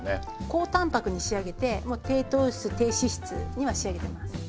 高タンパクに仕上げてもう低糖質低脂質には仕上げてます。